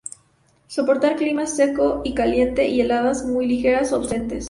Soporta clima seco y caliente y heladas muy ligeras o ausentes.